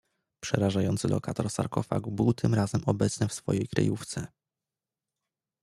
"Przerażający lokator sarkofagu był tym razem obecny w swojej kryjówce."